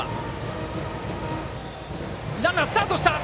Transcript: ランナー、スタートした。